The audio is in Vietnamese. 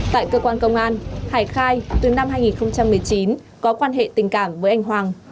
tại cơ quan công an hải khai từ năm hai nghìn một mươi chín có quan hệ tình cảm với anh hoàng